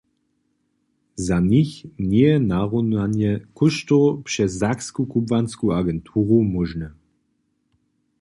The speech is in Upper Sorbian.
Za nich njeje narunanje kóštow přez Saksku kubłansku agenturu móžne.